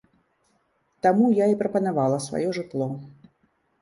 Таму я і прапанавала сваё жытло.